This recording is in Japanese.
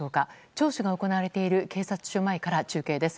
聴取が行われている警察署前から中継です。